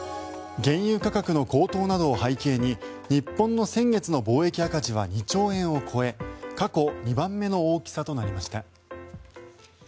原油価格の高騰などを背景に日本の先月の貿易赤字は２兆円を超え過去２番目の大きさとなりました。